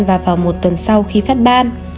và vào một tuần sau khi phát ban